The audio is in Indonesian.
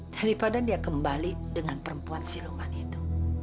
daripada dia kembali dengan perempuan siluman itu